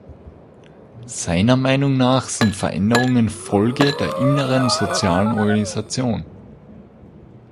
Seiner Meinung nach sind Veränderungen Folge der inneren sozialen Organisation.